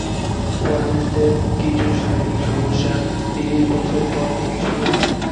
কোয়ালিস্টদের কিছু শারীরিক সমস্যা ত্রিশ বছরের পর থেকে শুরু হয়।